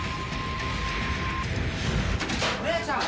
姉ちゃん！